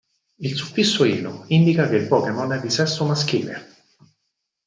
Il suffisso "-ino" indica che il Pokémon è di sesso maschile.